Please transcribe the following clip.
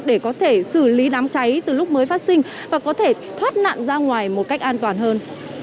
để có thể xử lý đám cháy từ lúc mới phát sinh và có thể thoát nạn ra ngoài một cách an toàn hơn